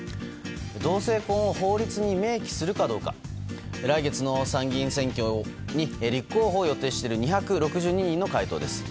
同性婚を法律に明記するかどうか来月の参議院選挙に立候補を予定している２６２人の回答です。